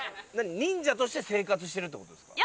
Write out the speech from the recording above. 忍者として生活してるって事ですか？